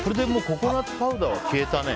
ココナツパウダーは消えたね。